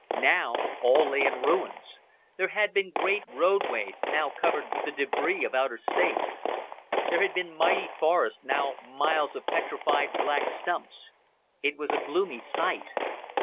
Now all lay in ruins. There had been great roadways, now covered with the debris of outer space. There had been mighty forests, now miles of petrified black stumps. It was a gloomy sight.